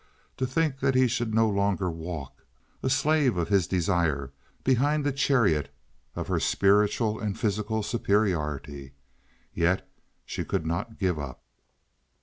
To think that he should no longer walk, a slave of his desire, behind the chariot of her spiritual and physical superiority. Yet she could not give up.